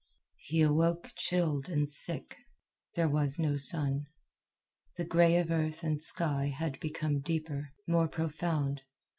He awoke chilled and sick. There was no sun. The gray of earth and sky had become deeper, more profound.